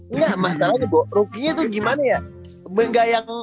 enggak masalahnya rookie nya tuh gimana ya